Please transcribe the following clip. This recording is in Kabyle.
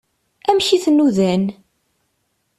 Amek i t-nudan?